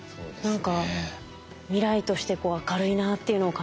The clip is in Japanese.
何か未来として明るいなっていうのを感じました。